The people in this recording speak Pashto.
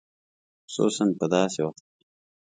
خصوصاً په داسې وخت کې.